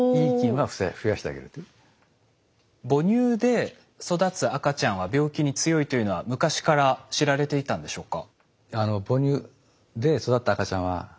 母乳で育つ赤ちゃんは病気に強いというのは昔から知られていたんでしょうか？